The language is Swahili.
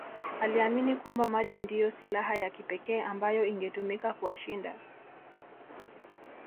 Aliamini kwamba maji ndiyo silaha ya kipekee ambayo ingetumika kuwashinda